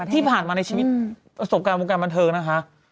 ที่ผ่านมาในชีวิตประสบการณ์วงการบันเทิงนะคะ